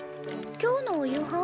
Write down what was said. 今日のお夕飯？